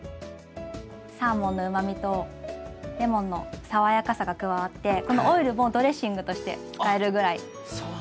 サーモンのうまみとレモンの爽やかさが加わってこのオイルもドレッシングとして使えるぐらい。